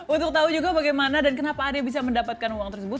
untuk tahu juga bagaimana dan kenapa ade bisa mendapatkan uang tersebut